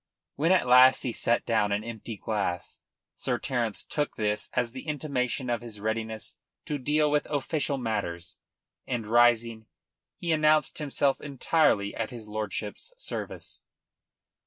When at last he set down an empty glass Sir Terence took this as the intimation of his readiness to deal with official matters, and, rising, he announced himself entirely at his lordship's service.